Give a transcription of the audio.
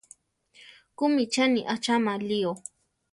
¿Kúmi cheni acháma lío?